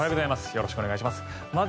よろしくお願いします。